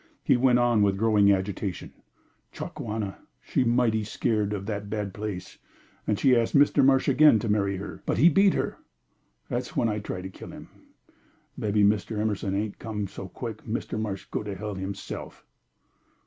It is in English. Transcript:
He went on with growing agitation: "Chakawana she's mighty scare' of that bad place, and she ask Mr. Marsh again to marry her, but he beat her. That's when I try to kill him. Mebbe Mr. Emerson ain't come so quick, Mr. Marsh go to hell himself."